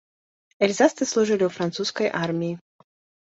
Эльзасцы служылі ў французскай арміі.